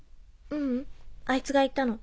ううんあいつが言ったの。